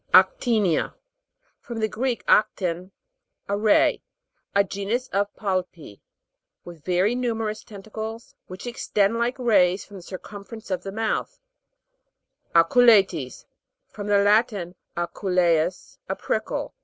ACTI'NIA. From the Greek, aktin, a ray. A genus of polypi, with very numerous tentacles, which extend, like rays, from the circumference of the mouth (Jig. 87). ACU'LEATES. From the Latin, acu leus, a prickle.